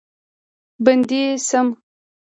بندي شم.